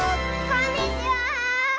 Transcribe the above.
こんにちは。